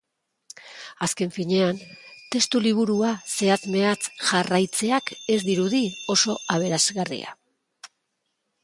Azken finean, testuliburua zehatz-mehatz jarraitzeak ez dirudi oso aberasgarria.